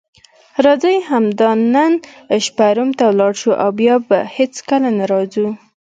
راځئ همدا نن شپه روم ته ولاړ شو او بیا به هیڅکله نه راځو.